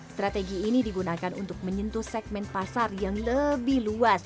strategi ini digunakan untuk menyentuh segmen pasar yang lebih luas